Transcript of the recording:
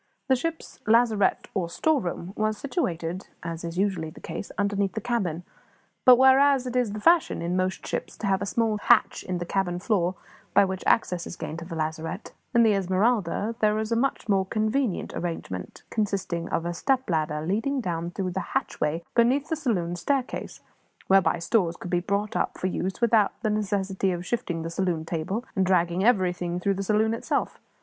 The ship's lazarette, or storeroom, was situated as is usually the case underneath the cabin. But whereas it is the fashion in most ships to have a small hatch in the cabin floor by which access is gained to the lazarette, in the Esmeralda there was a much more convenient arrangement, consisting of a step ladder leading down through a hatchway beneath the saloon staircase, whereby stores could be brought up for use without the necessity of shifting the saloon table and dragging everything through the saloon itself.